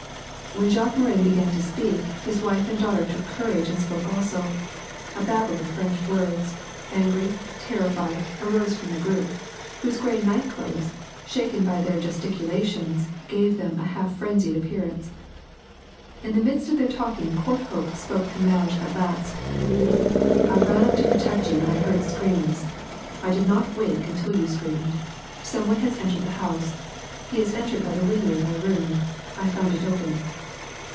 When Jacques Morin began to speak, his wife and daughter took courage and spoke also; a babel of French words, angry, terrified, arose from the group, whose grey night clothes, shaken by their gesticulations, gave them a half frenzied appearance. In the midst of their talking Courthope spoke to Madge at last. 'I ran up to protect you when I heard screams; I did not wake till you screamed. Some one has entered the house. He has entered by the window in my room; I found it open.'